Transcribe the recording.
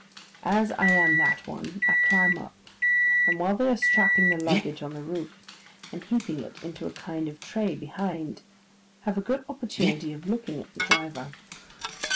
As I am that one, I climb up; and while they are strapping the luggage on the roof, and heaping it into a kind of tray behind, have a good opportunity of looking at the driver.